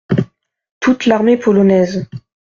Toute l’Armée polonaise.